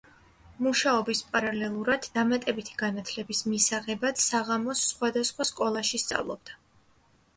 მუშაობის პარალელურად, დამატებითი განათლების მისაღებად საღამოს სხვადასხვა სკოლაში სწავლობდა.